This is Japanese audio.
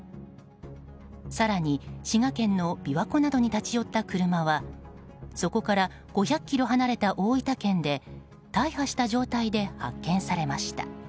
更に、滋賀県の琵琶湖などに立ち寄った車はそこから５００ｋｍ離れた大分県で大破した状態で発見されました。